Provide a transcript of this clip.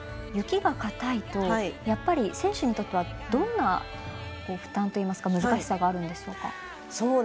雪がかたいと選手にとってはどんな負担といいますか難しさがあるんですか？